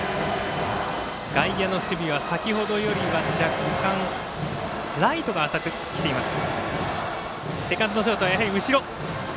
外野の守備は先ほどよりはライトが浅く来ています。